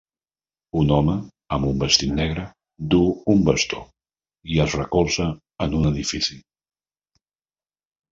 Un home amb un vestit negre duu un bastó i es recolza en un edifici